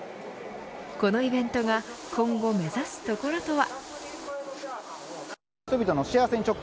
このイベントが今後目指すところとは。